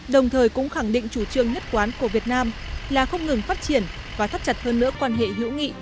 đồng thời cũng khẳng định chủ trương nhất quán của việt nam là không ngừng phát triển và thắt chặt hơn nữa quan hệ hữu nghị